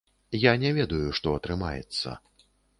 Я не ведаю, што атрымаецца.